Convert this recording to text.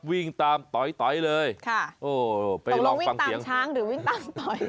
วิ่งตามตอยเลยโอ้โหไปลองฟังเสียงวิ่งตามช้างหรือวิ่งตามตอย